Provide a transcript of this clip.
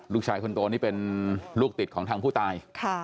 ลูกชายคนโตนี่เป็นลูกติดของทางผู้ตาย